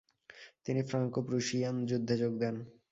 তিনি ফ্রাঙ্কো-প্রুশিয়ান যুদ্ধে যোগ দেন।